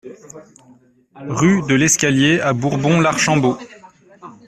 Rue de l'Escalier à Bourbon-l'Archambault